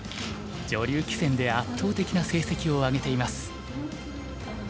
女流棋戦で圧倒的な成績を上げています。